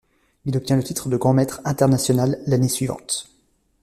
Il obtient le titre de grand maître international l'année suivante.